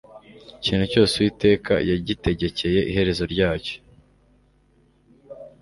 ikintu cyose uwiteka yagitegekeye iherezo ryacyo